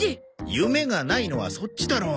夢がないのはそっちだろう。